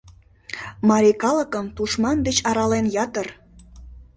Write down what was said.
Марий калыкым тушман деч арален ятыр.